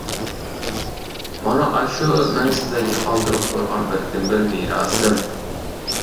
مانا ئاشۇ مەن سىلەرگە قالدۇرۇپ قويغان بىردىنبىر مىراسىم.